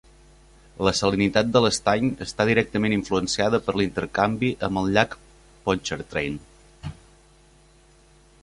La salinitat de l'estany està directament influenciada per l'intercanvi amb el llac Pontchartrain.